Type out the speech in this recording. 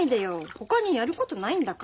ほかにやることないんだから。